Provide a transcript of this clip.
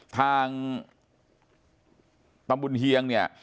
ทางตำบลเฮียงเนี่ย